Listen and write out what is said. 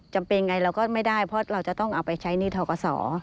จำเป็นไงเราก็ไม่ได้เพราะเราจะต้องเอาไปใช้หนี้ทกศ